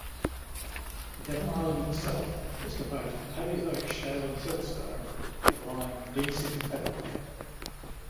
Devon Island itself is composed of Paleozoic shale and siltstone overlying gneissic bedrock.